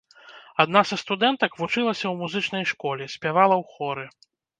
Адна са студэнтак вучылася ў музычнай школе, спявала ў хоры.